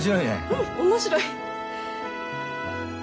うん面白い。